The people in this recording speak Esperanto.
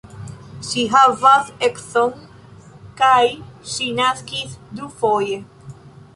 Ŝi havas edzon kaj ŝi naskis dufoje.